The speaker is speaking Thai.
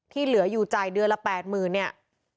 เหลืออยู่จ่ายเดือนละ๘๐๐๐เนี่ย